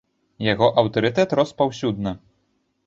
Яго аўтарытэт рос паўсюдна.